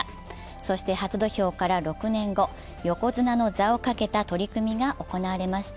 そして初土俵から６年後、横綱の座をかけた取組が行われました。